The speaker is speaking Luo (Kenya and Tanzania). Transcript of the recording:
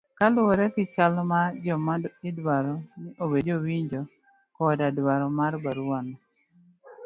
kaluwore gi chal mar joma idwaro ni obed jowinjo koda dwaro mar barua no